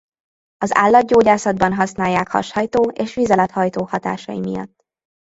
Az állatgyógyászatban használják hashajtó és vizelethajtó hatásai miatt.